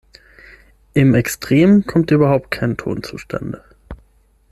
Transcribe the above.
Im Extrem kommt überhaupt kein Ton zustande.